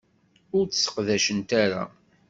Ur t-sseqdacent ara.